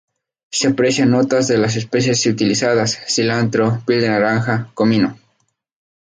Se aprecian notas de las especias utilizadas: cilantro, piel de naranja, comino.